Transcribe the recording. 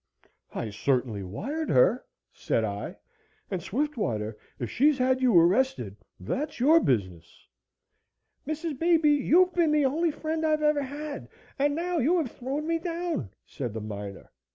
"I certainly wired her," said I, "and, Swiftwater, if she's had you arrested that's your business." "Mrs. Beebe, you've been the only friend I've ever had and now you have thrown me down," said the miner.